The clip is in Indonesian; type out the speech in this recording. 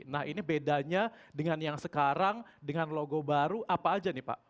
nah ini bedanya dengan yang sekarang dengan logo baru apa aja nih pak